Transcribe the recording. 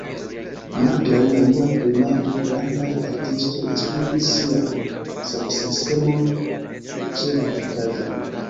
Malgraŭ la jura premado, grandaj artistoj esprimis sian samseksemon ĉe la verkaĵoj.